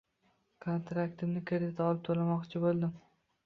Kontraktimni kredit olib to‘lamoqchi bo‘ldim